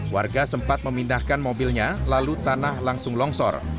warga sempat memindahkan mobilnya lalu tanah langsung longsor